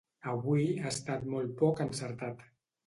Avui ha estat molt poc encertat.